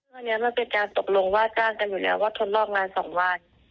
วันนี้มันเป็นการตกลงว่าจ้างกันอยู่แล้วว่าทดลองงาน๒วัน